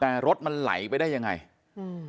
แต่รถมันไหลไปได้ยังไงอืม